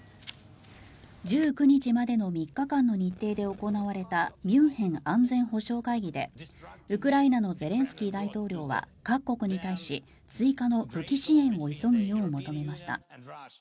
１９日までの３日間の日程で行われたミュンヘン安全保障会議でウクライナのゼレンスキー大統領は各国に対し、追加の武器支援を急ぐよう求めました。